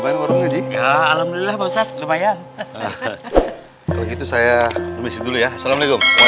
bagaimana orangnya ji alhamdulillah bosan kebayang kalau gitu saya mesin dulu ya assalamualaikum